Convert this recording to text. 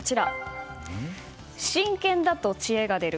真剣だと知恵が出る。